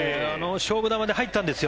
勝負球で入ったんですよ